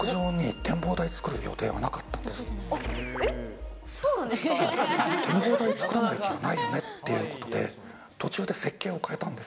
展望台作らない手はないよねということで、途中で設計を変えたんです。